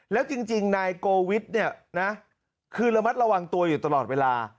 แล้วจริงนายโกวิทเนี่ยนะคือระมัดระวังตัวอยู่ตลอดเวลา